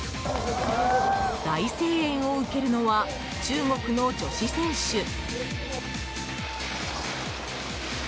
大声援を受けるのは中国の女子選手。